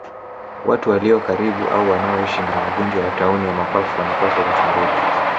Watu walio karibu au wanaoishi na wagonjwa wa tauni ya mapafu wanapaswa kuchunguzwa